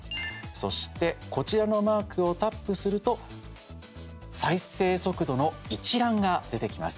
そして、こちらのマークをタップすると再生速度の一覧が出てきます。